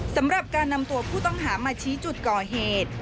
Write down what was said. สำหรับการนำตัวผู้ต้องหามาชี้จุดก่อเหตุ